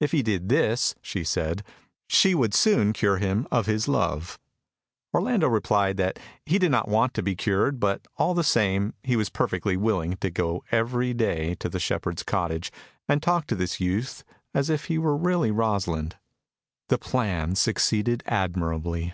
If he did this, she said, she would soon cure him of his love. [Illustration: Audrey, the goatherd.] Orlando replied that he did not want to be cured, but, all the same, he was perfectly willing to go every day to the shepherd's cottage, and talk to this youth as if he were really Rosalind. The plan succeeded admirably.